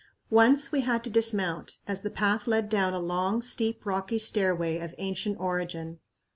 Once we had to dismount, as the path led down a long, steep, rocky stairway of ancient origin.